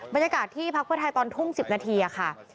บรรยากาศที่พักเพื่อไทยตอนทุ่ม๑๐นาทีค่ะ